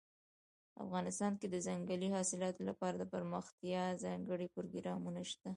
افغانستان کې د ځنګلي حاصلاتو لپاره دپرمختیا ځانګړي پروګرامونه شته.